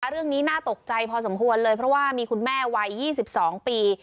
เรื่องนี้น่าตกใจพอสมควรเลยเพราะว่ามีคุณแม่วัย๒๒ปี